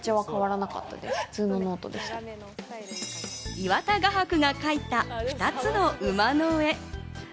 岩田画伯が描いた２つの馬の絵。